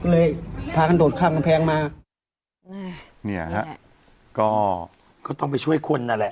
ครับเลยถ้าก็โดดข้ามกำแพงมานี่อ่ะก็ก็ต้องไปช่วยคนน่ะแหละ